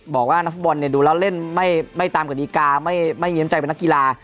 บอกว่านักฟุตบอลดูแล้วเล่นไม่ตามกฎิกาไม่มีน้ำใจเป็นนักกีฬา